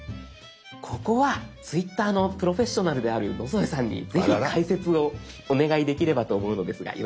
ここはＴｗｉｔｔｅｒのプロフェッショナルである野添さんにぜひ解説をお願いできればと思うのですがよろしいでしょうか？